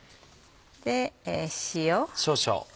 塩。